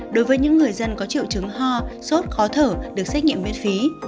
đối với những người dân có triệu chứng ho sốt khó thở được xét nghiệm miễn phí